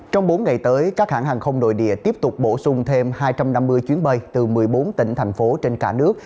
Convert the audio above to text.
trong bốn ngày tới các hãng hàng không nội địa tiếp tục bổ sung thêm hai trăm năm mươi chuyến bay từ một mươi bốn tỉnh thành phố trên cả nước